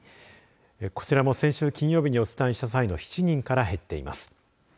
こちらも先週金曜日にお伝えした際の７人から減っています。